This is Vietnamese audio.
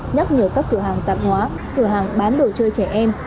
nhắc nhở các cửa hàng tạp hóa cửa hàng bán đồ chơi trẻ em